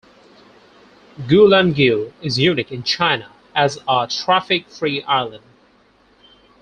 Gulangyu is unique in China as a "traffic-free island".